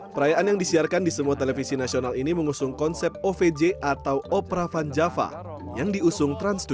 perayaan yang disiarkan di semua televisi nasional ini mengusung konsep ovj atau opera van java yang diusung trans tujuh